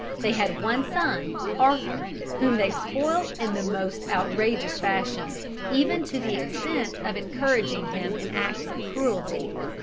They had one son, Arthur, whom they spoilt in the most outrageous fashion, even to the extent of encouraging him in acts of cruelty.